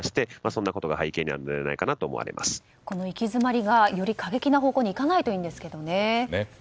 そんなことがその行き詰まりがより過激な方向に行かないといいんですけどね。